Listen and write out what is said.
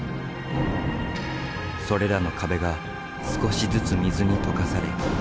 それらの壁が少しずつ水に溶かされやがて合流する。